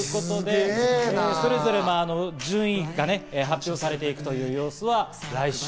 それぞれの順位が発表されていくという様子は来週。